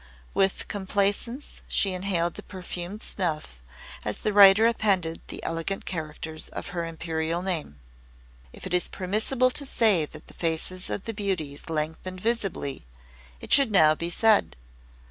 With complacence she inhaled the perfumed snuff, as the writer appended the elegant characters of her Imperial name. If it is permissible to say that the faces of the beauties lengthened visibly, it should now be said.